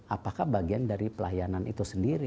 apakah bagian dari pelayanan itu sendiri